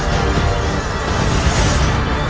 kalau aku tidak mau bagaimana